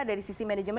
dari sisi manajemen